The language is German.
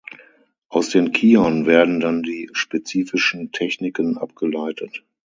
Aus den Kihon werden dann die spezifischen Techniken abgeleitet.